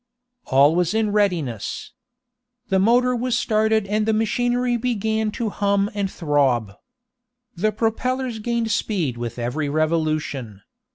All was in readiness. The motor was started and the machinery began to hum and throb. The propellers gained speed with every revolution.